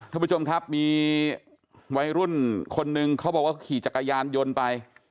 ท่านผู้ชมครับมีวัยรุ่นคนนึงเขาบอกว่าขี่จักรยานยนต์ไป